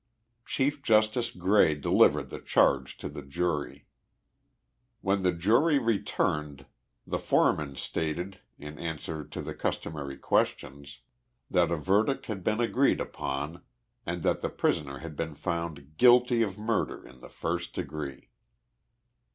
Chief Justice Gray delivered the charge to the jury. When the jury returned the foreman stated, in answer to the G4 THE LIFE OF JESSE IIARDIXG POMEROY. customary questions, that a verdict had been agreed upon and that the prisoner had been found guilty of murder in the first degree.